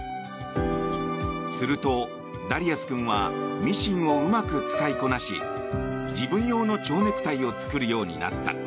すると、ダリアス君はミシンをうまく使いこなし自分用の蝶ネクタイを作るようになった。